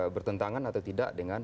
bertentangan atau tidak dengan